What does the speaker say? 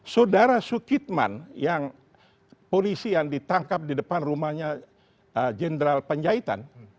saudara sukitman yang polisi yang ditangkap di depan rumahnya jenderal penjahitan